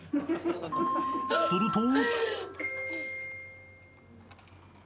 ［すると］